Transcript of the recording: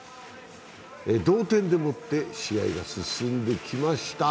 同点でもって試合が進んできました。